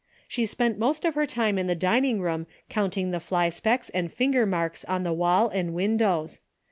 She spent most of her time in the dining room counting the fly specks and finger marks on the wall and windows.